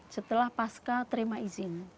setelah pasca terima izin